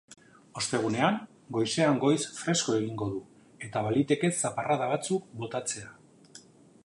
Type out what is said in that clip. Ostegunean, goizean goiz fresko egingo du, eta baliteke zaparrada batzuk botatzea.